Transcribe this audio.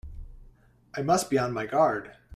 I must be on my guard!